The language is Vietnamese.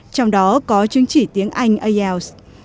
trong đó có chứng chỉ tiếng anh ielts